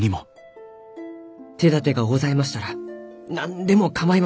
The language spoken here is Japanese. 手だてがございましたら何でも構いません。